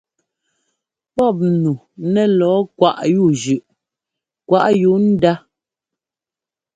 Pɔ́p nu nɛ lɔɔ kwaꞌ yú zʉꞌ kwaʼ yu ndá.